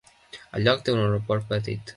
El lloc té un aeroport petit.